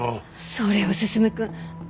それを進くん。